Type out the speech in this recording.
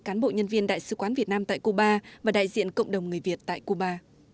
cán bộ nhân viên đại sứ quán việt nam tại cuba và đại diện cộng đồng người việt tại cuba